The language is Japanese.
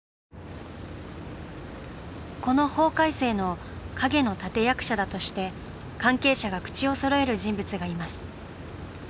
この法改正の陰の立役者だとして関係者が口をそろえる人物がいます。